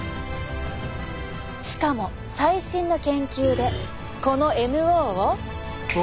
しかも最新の研究でこのＮＯを。